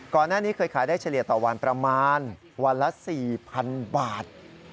ก่อนหน้านี้เคยขายได้เฉลี่ยต่อวันประมาณวันละ๔๐๐๐บาท